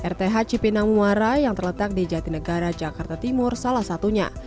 rth cipinang muara yang terletak di jatinegara jakarta timur salah satunya